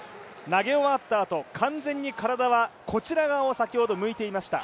投げ終わったあと、完全に体はこちらに向いていました。